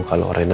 apapun yang via